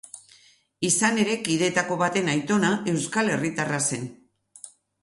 Izan ere, kideetako baten aitona euskal herritarra zen.